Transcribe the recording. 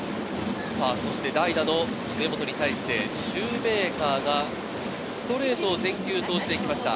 そして代打の上本に対してシューメーカーがストレートを全休投じてきました。